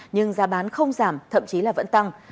nhưng giá bán không giảm thậm chí là vẫn tăng